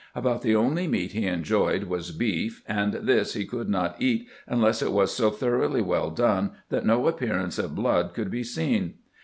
About the only meat he en joyed was beef, and this he could not eat unless it was so thoroughly well done that no appearance of blood could be seen.